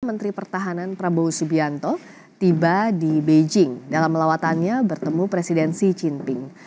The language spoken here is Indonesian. menteri pertahanan prabowo subianto tiba di beijing dalam lawatannya bertemu presiden xi jinping